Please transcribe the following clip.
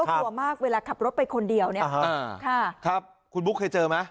กลัวมากเวลาขับรถไปคนเดียวเนี่ยค่ะครับคุณบุ๊คเคยเจอไหม